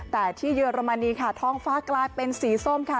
แต่ที่เยอรมนีค่ะท้องฟ้ากลายเป็นสีส้มค่ะ